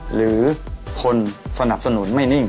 หรือคนสนับสนุนไม่นิ่ง